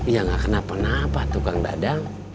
ya nggak kenapa kenapa tuh kang dadang